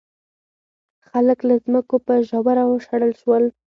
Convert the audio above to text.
خلک له ځمکو په زوره وشړل شول.